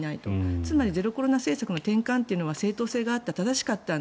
つまりゼロコロナ政策の転換というのは正当性があった正しかったんだ